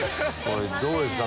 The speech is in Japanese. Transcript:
どうですか？